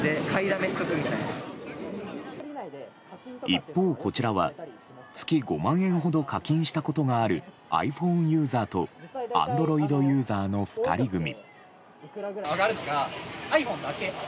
一方、こちらは月５万円ほど課金したことがあるｉＰｈｏｎｅユーザーとＡｎｄｒｏｉｄユーザーの２人組。